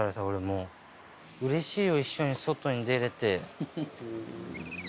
うれしいよ一緒に外に出れて。